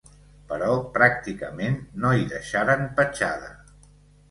Però, pràcticament no hi deixaren petjada.